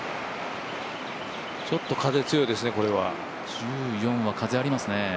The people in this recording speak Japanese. ちょっと風強いですね。